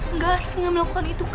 enggak astri gak mau melakukan itu kak